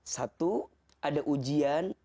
satu ada ujian